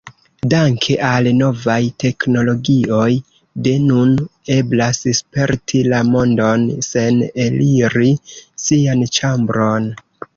Danke al novaj teknologioj, de nun eblas sperti la mondon sen eliri sian ĉambron.